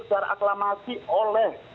secara aklamasi oleh